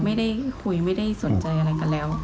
ไม่ได้คุยไม่ได้สนใจอะไรกันแล้ว